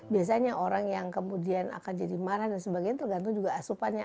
biasanya orang yang kemudian akan jadi marah dan sebagainya tergantung juga asupannya